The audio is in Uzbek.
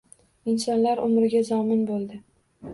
Insonlar umriga zomin boʻldi